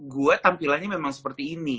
gue tampilannya memang seperti ini